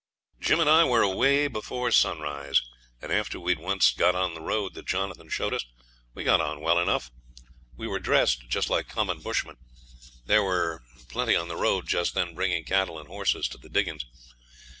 Jim and I were away before sunrise, and after we'd once got on the road that Jonathan showed us we got on well enough. We were dressed just like common bushmen. There were plenty on the road just then bringing cattle and horses to the diggings.